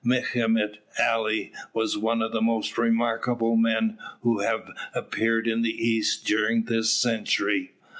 Mehemet Ali was one of the most remarkable men who have appeared in the East during this century.